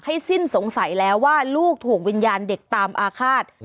สิ้นสงสัยแล้วว่าลูกถูกวิญญาณเด็กตามอาฆาต